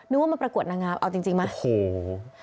นึกว่ามันประกวดนะครับเอาจริงมาโอ้โห